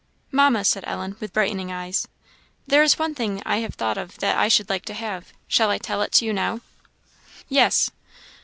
"Mamma," said Ellen, with brightening eyes, "there is one thing I have thought of that I should like to have shall I tell it you now?" "Yes."